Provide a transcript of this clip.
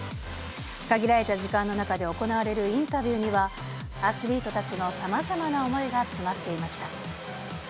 限られた時間の中で行われるインタビューには、アスリートたちのさまざまな思いが詰まっていました。